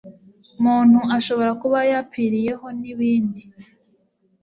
muntu ashobora kuba yapfiriyeho n ibindi